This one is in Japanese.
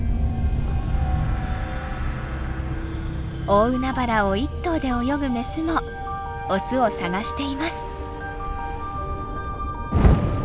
大海原を一頭で泳ぐメスもオスを探しています。